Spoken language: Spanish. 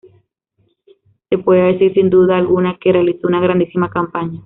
Se puede decir sin duda alguna que realizó una grandísima campaña.